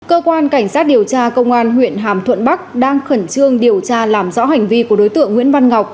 cơ quan cảnh sát điều tra công an huyện hàm thuận bắc đang khẩn trương điều tra làm rõ hành vi của đối tượng nguyễn văn ngọc